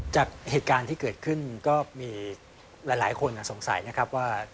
จากเหตุการณ์ที่เกิดขึ้นก็มีหลายคนสงสัยนะครับว่า